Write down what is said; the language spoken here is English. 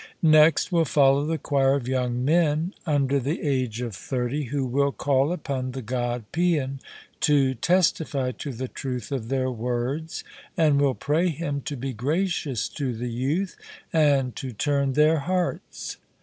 Next will follow the choir of young men under the age of thirty, who will call upon the God Paean to testify to the truth of their words, and will pray him to be gracious to the youth and to turn their hearts.